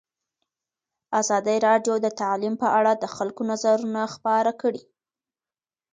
ازادي راډیو د تعلیم په اړه د خلکو نظرونه خپاره کړي.